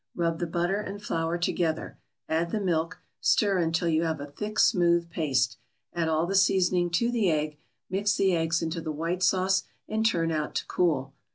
Rub the butter and flour together, add the milk, stir until you have a thick, smooth paste. Add all the seasoning to the egg, mix the eggs into the white sauce and turn out to cool.